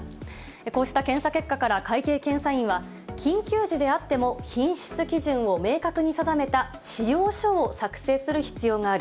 こうした検査結果から会計検査院は、緊急時であっても品質基準を明確に定めた仕様書を作成する必要がある。